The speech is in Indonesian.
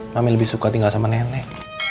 kami lebih suka tinggal sama nenek